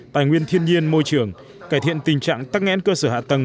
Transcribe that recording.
tài nguyên thiên nhiên môi trường cải thiện tình trạng tắc nghẽn cơ sở hạ tầng